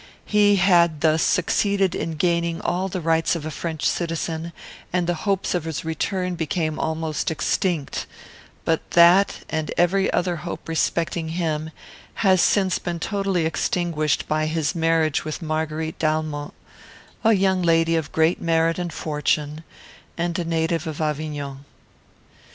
He had thus succeeded in gaining all the rights of a French citizen; and the hopes of his return became almost extinct; but that, and every other hope respecting him, has since been totally extinguished by his marriage with Marguerite d'Almont, a young lady of great merit and fortune, and a native of Avignon.